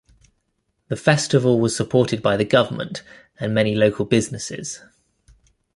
The festival was supported by the government and many local businesses.